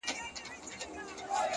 په دغه خپل وطن كي خپل ورورك،